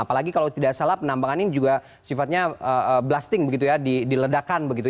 apalagi kalau tidak salah penambangan ini juga sifatnya blasting begitu ya diledakan begitu